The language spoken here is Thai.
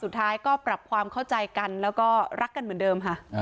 สุดท้ายก็ปรับความเข้าใจกันแล้วก็รักกันเหมือนเดิมค่ะ